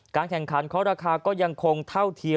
แข่งขันเขาราคาก็ยังคงเท่าเทียม